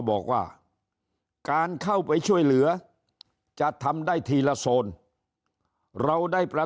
บอกว่าการเข้าไปช่วยเหลือจะทำได้ทีละโซนเราได้ประ